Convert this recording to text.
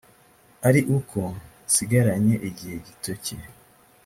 ari uko nsigaranye igihe gito cye